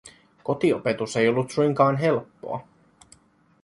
Kotiopetus ei ollut suinkaan helppoa.